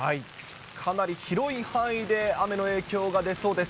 かなり広い範囲で雨の影響が出そうです。